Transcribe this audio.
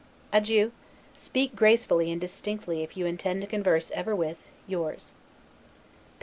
Adieu! SPEAK GRACEFULLY AND DISTINCTLY if you intend to converse ever with, Yours.